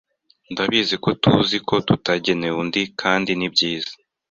Ndabizi ko tuzi ko tutagenewe undi kandi nibyiza